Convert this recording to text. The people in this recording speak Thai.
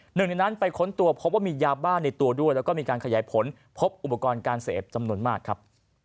หนึ่งในนั้นไปค้นตัวพบว่ามียาบ้าในตัวด้วยแล้วก็มีการขยายผลพบอุปกรณ์การเสพจำนวนมากครับ